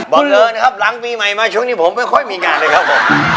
บอกเลยนะครับหลังปีใหม่มาช่วงนี้ผมไม่ค่อยมีงานเลยครับผม